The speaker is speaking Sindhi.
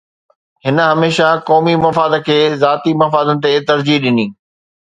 هن هميشه قومي مفاد کي ذاتي مفادن تي ترجيح ڏني.